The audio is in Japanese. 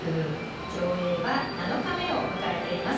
競泳は７日目を迎えています。